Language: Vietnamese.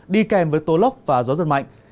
đi kèm với tố lốc và gió rất mạnh